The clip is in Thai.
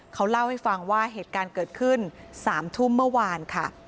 เขาเล่าให้ฟังว่าเหตุการณ์เกิดขึ้น๓ทุ่มเมื่อวานค่ะ